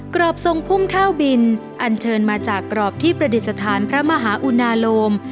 กรอบทรงพุ่มข้าวบินอันเชิญมาจากกรอบที่ประดิษฐานพระมหาอุณาโลม